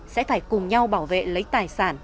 sẽ phải cùng nhau bảo vệ lấy tài sản